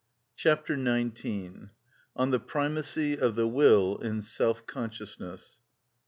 Chapter XIX.(30) On The Primacy Of The Will In Self Consciousness.